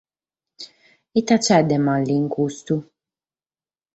Ite b’at de malu in custu?